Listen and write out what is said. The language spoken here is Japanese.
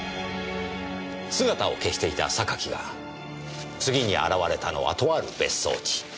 姿を消した榊が次に現れたのはとある別荘地。